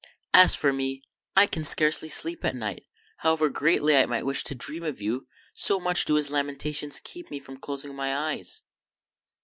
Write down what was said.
As for me, I can scarcely sleep at night, however greatly I might wish to dream of you, so much do his lamentations keep me from closing my eyes."